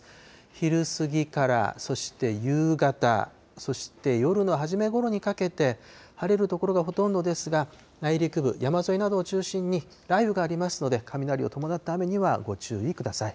昼過ぎからそして夕方、そして夜の初めごろにかけて、晴れる所がほとんどですが、内陸部、山沿いなどを中心に、雷雨がありますので、雷を伴った雨にはご注意ください。